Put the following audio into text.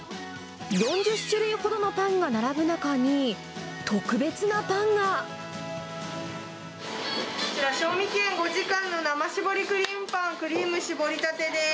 ４０種類ほどのパンが並ぶ中に、こちら、賞味期限５時間の生搾りクリームパン、クリーム搾りたてです。